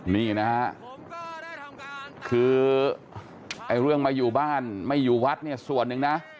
นี่นะครับคือเรื่องมาอยู่บ้านไม่อยู่วัดส่วนหนึ่งนะ